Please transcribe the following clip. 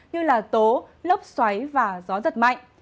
như là tố lớp xoáy và gió giật mạnh